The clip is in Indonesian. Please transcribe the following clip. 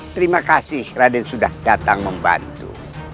terima kasih raden sudah datang membantu